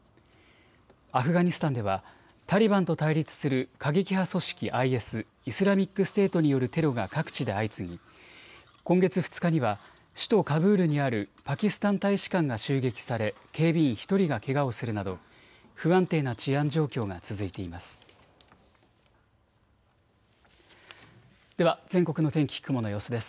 アフガニスタンではタリバンと対立する過激派組織ＩＳ・イスラミックステートによるテロが各地で相次ぎ今月２日には首都カブールにあるパキスタン大使館が襲撃され警備員１人がけがをするなど不安定な治安状況が続いています。